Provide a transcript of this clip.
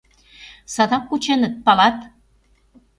Садак кученыт, палат.